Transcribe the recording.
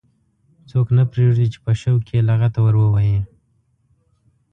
څوک نه پرېږدي چې په شوق کې یې لغته ور ووهي.